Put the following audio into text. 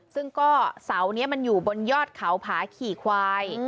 ซึ่งก็เสานี้มันอยู่บนยอดเขาผาขี่ควาย